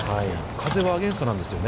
風はアゲインストなんですよね。